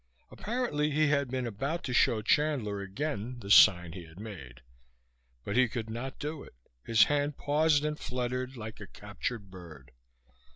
Apparently he had been about to show Chandler again the sign he had made. But he could not do it. His hand paused and fluttered, like a captured bird.